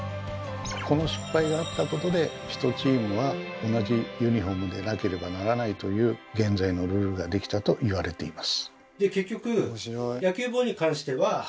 この失敗があったことで１チームは同じユニフォームでなければならないという現在のルールができたと言われています。